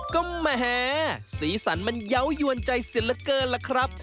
ก็แหมสีสันมันเยาว์ยวนใจเสียเหลือเกินล่ะครับ